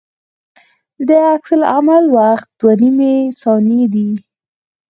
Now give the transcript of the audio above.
د عکس العمل وخت دوه نیمې ثانیې دی